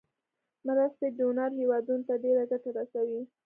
مرستې ډونر هیوادونو ته ډیره ګټه رسوي.